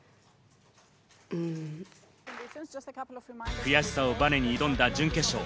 悔しさをバネに挑んだ準決勝。